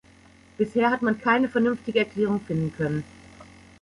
Bisher hat man keine vernünftige Erklärung finden können.